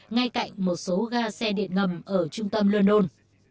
ngay cạnh một số ga xe điện ngầm ở trung tâm london